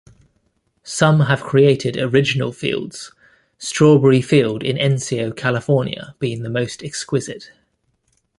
Some have created original fields, Strawberry Field in Encino, California being the most exquisite.